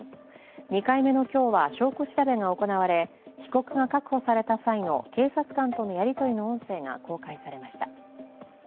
２回目の今日は証拠調べが行われ被告が確保された際の警察官とのやり取りの音声が公開されました。